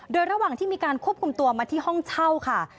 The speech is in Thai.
โดยระหว่างที่มีการควบคุมตัวมาที่ห้องเช่าค่ะ